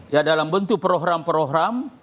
ya dalam bentuk program program